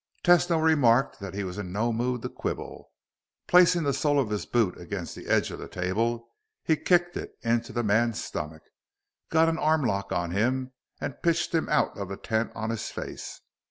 Tesno remarked that he was in no mood to quibble. Placing the sole of his boot against the edge of the table, he kicked it into the man's stomach, got an armlock on him, and pitched him out of the tent on his face.